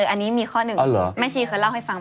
อันนี้มีข้อหนึ่งแม่ชีเคยเล่าให้ฟังไหม